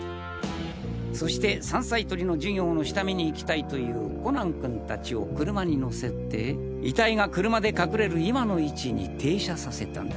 そして山菜採りの授業の下見に行きたいというコナン君達を車に乗せて遺体が車で隠れる今の位置に停車させたんだ。